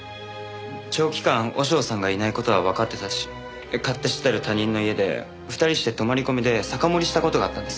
長期間和尚さんがいない事はわかってたし勝手知ったる他人の家で２人して泊まり込みで酒盛りした事があったんですよ。